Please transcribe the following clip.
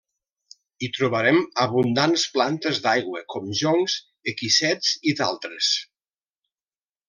Hi trobarem abundants plantes d'aigua com joncs, equisets i d'altres.